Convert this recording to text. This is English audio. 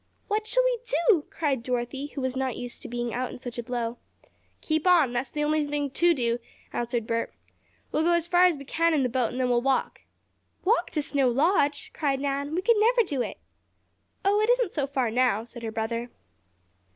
"What shall we do?" cried Dorothy, who was not used to being out in such a blow. "Keep on that's the only thing to do," answered Bert. "We will go as far as we can in the boat and then we'll walk." "Walk to Snow Lodge!" cried Nan. "We could never do it!" "Oh, it isn't so far now," said her brother.